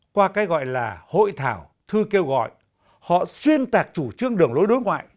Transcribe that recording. qua cái gọi là hội thảo thư kêu gọi họ xuyên tạc chủ trương đường lối đối ngoại